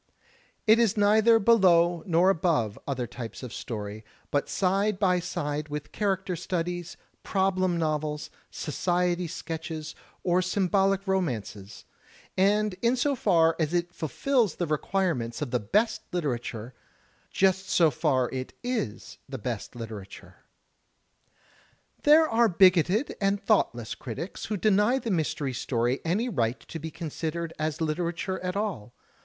It is neither below nor above other types of story, but side by side with character studies, problem novels, society sketches or symbolic romances; and in so far as it fulfills the requirements of the best literature, just so far it is the best literature. There are bigoted and thoughtless critics who deny the Mystery Story any right to be considered as literature at all.